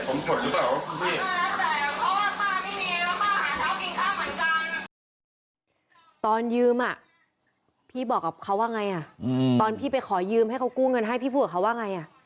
ตอนยืมอ่ะพี่บอกกับเขาว่าไงอ่ะตอนพี่ไปขอยืมให้เขากู้เงินให้พี่พูดกับเขาว่าไงอ่ะ